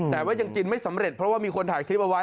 แต่ว่ายังกินไม่สำเร็จเพราะว่ามีคนถ่ายคลิปเอาไว้